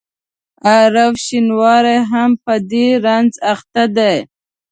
عارف شینواری هم په دې رنځ اخته دی.